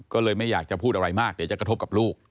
ก็เลยไม่อยากจะพูดอะไรมากเดี๋ยวจะกระทบกับลูก